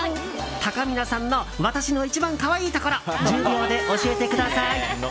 たかみなさんの私の一番可愛いところ１０秒で教えてください！